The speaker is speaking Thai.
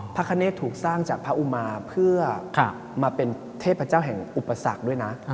พระคเนตถูกสร้างจากพระอุมาเพื่อมาเป็นเทพเจ้าแห่งอุปสรรคด้วยนะ